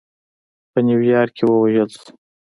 په نیویارک کې ووژل شو.